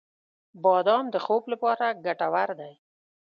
• بادام د خوب لپاره ګټور دی.